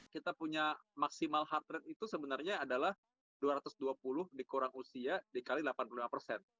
kita punya maksimal heart rate itu sebenarnya adalah dua ratus dua puluh dikurang usia dikali delapan puluh lima persen